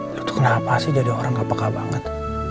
lu tuh kenapa sih jadi orang gak peka banget